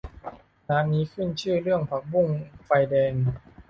ร้านนี้ขึ้นชื่อเรื่องผักบุ้งไฟแดง